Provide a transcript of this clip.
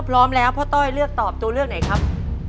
พร้อมแล้วพ่อต้อยเลือกตอบตัวเลือกไหนครับ